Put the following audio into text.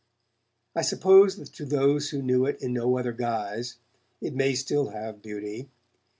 I suppose that to those who knew it in no other guise, it may still have beauty.